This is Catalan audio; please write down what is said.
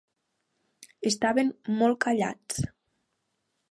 Estaven molt callats.